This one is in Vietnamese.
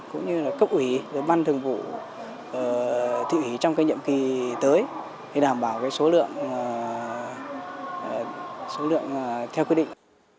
cũng như cấp ủy ban thường bộ thị ủy trong nhiệm kỳ tới để đảm bảo số lượng theo quy định